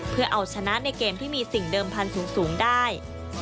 เพื่อเอาชนะในเกมที่มีสิ่งเดิมพันธุ์สูงได้